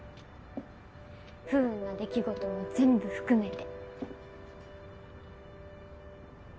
不運な出来事も全部含めて。